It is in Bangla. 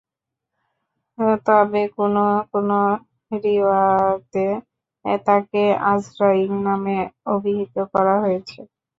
তবে কোন কোন রিওয়ায়েতে তাকে আযরাঈল নামে অভিহিত করা হয়েছে।